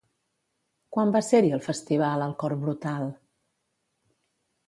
Quan va ser-hi, al festival, el Cor Brutal?